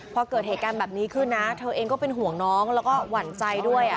พอเกิดเหตุการณ์แบบนี้ขึ้นนะเธอเองก็เป็นห่วงน้องแล้วก็หวั่นใจด้วย